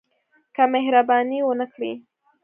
که مهرباني ونه کړي.